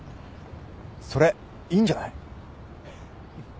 それいいんじゃない？